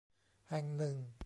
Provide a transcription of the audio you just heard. แห่งหนึ่ง